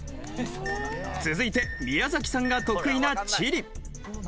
続いて宮崎さんが得意な地理。